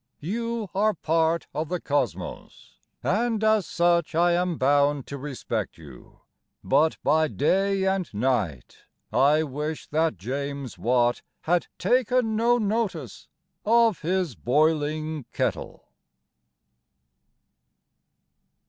You are part of the Cosmos, And as such I am bound to respect you; But, by Day and Night, I wish That James Watt Had taken no notice Of his boiling kettle!